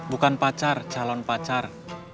bukan pacar calon pacar